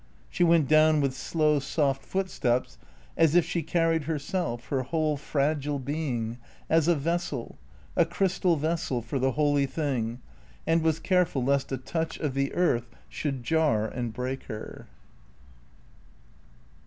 She went down with slow soft footsteps as if she carried herself, her whole fragile being, as a vessel, a crystal vessel for the holy thing, and was careful lest a touch of the earth should jar and break her.